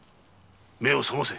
目を覚ませ！